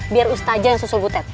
biar ustaja yang susul butet